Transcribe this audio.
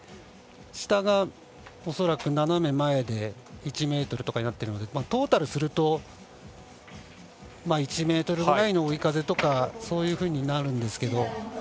下が恐らく斜め前で１ｍとかになっているのでトータルすると１メートルぐらいの追い風とかそういうふうになるんですけど。